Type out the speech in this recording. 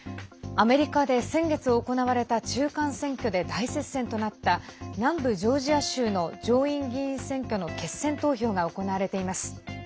アメリカで先月行われた中間選挙で大接戦となった南部ジョージア州の上院議員選挙の決選投票が行われています。